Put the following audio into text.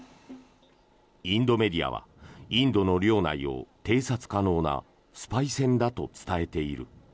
インドメディアはインドの領内を偵察可能なスパイ船だと伝えている。